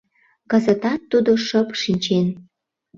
Кызытат тудо шып шинчен.